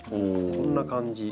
こんな感じ。